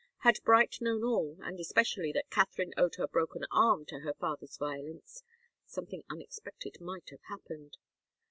Had Bright known all, and especially that Katharine owed her broken arm to her father's violence, something unexpected might have happened.